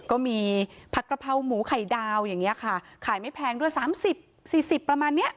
ก็มีผักกะเพราหมูไข่ดาวอย่างเนี่ยค่ะขายไม่แพงด้วยสามสิบสี่สิบประมาณเนี่ย